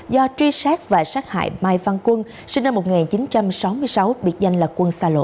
do truy sát và sát hại mai văn quân sinh năm một nghìn chín trăm sáu mươi sáu biệt danh là quân xa lộ